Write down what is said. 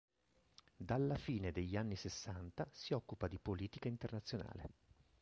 Dalla fine degli anni sessanta si occupa di politica internazionale.